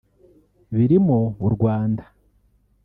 birimo u Rwanda